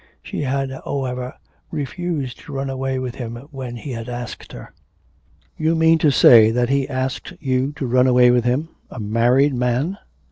She had, however, refused to run away with him when he had asked her. 'You mean to say that he asked you to run away with him a married man?'